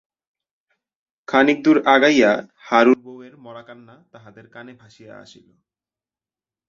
খানিকদূর আগাইয়া হারুর বৌ এর মড়াকান্না তাহাদের কানে ভাসিয়া আসিল।